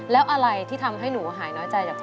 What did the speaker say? แล้วอะไรที่ทำให้หนูหายน้อยใจกับเธอ